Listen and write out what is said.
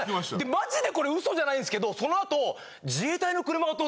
マジでこれウソじゃないんですけどそのあと。